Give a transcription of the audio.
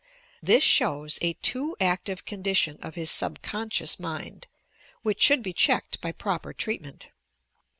This shows a too active condition of his subcon scious mind, which should be checked by proper treat ment.